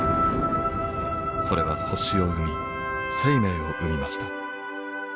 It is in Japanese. それは星を生み生命を生みました。